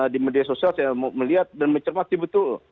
di media sosial saya melihat dan mencermati betul